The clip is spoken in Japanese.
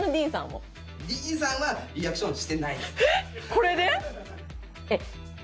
これで？